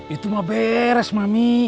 itu mah beres mami